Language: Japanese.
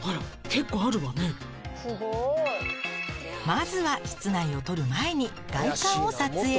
まずは室内を撮る前に外観を撮影。